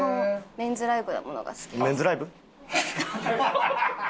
メンズライク。